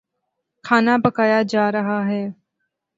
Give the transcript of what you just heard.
کھانا پکایا جا رہا ہے